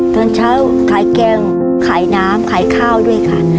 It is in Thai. ตอนเช้าขายแกงขายน้ำขายข้าวด้วยค่ะ